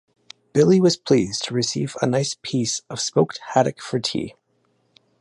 Billy was pleased to receive a nice piece of smoked haddock for tea.